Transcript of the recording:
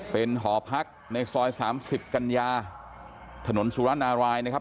เป็นหอพักในซอย๓๐กันยาถนนสุรนารายนะครับ